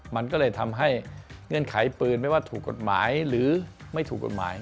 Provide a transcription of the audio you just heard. มันก็เลยทำให้เงื่อนไขปืนไม่ว่าถูกกฎหมายหรือไม่ถูกกฎหมาย